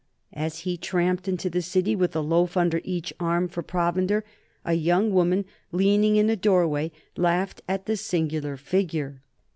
As he tramped into the city with a loaf under each arm for provender, a young woman leaning in a doorway laughed at the singular figure.